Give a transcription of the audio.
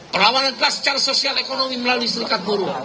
perlawanan kelas secara sosial ekonomi melalui serikat buruh